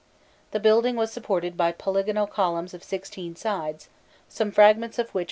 The building was supported by polygonal columns of sixteen sides, some fragments of which are still existing.